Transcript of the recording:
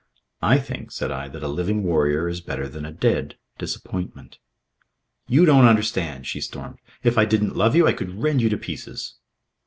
"I think," said I, "that a living warrior is better than a dead Disappointment." "You don't understand," she stormed. "If I didn't love you, I could rend you to pieces."